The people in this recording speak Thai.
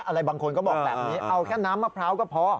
อะไรบางคนก็บอกแบบนี้เอาแค่น้ำมะพร้าวก็พอ